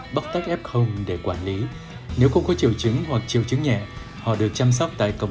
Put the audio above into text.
bóc tách f để quản lý nếu không có triệu chứng hoặc triệu chứng nhẹ họ được chăm sóc tại cổng